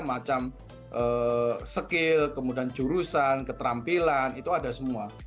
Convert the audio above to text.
macam skill kemudian jurusan keterampilan itu ada semua